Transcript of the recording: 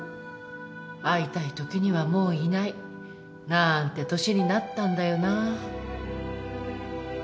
会いたいときにはもういないなんて年になったんだよな。